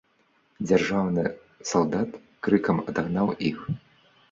Дзяжурны салдат крыкам адагнаў іх.